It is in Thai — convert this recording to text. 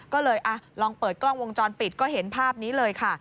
ก็เลยลองเปิดกล้องวงจรปิดก็เห็นภาพนี้เลยค่ะ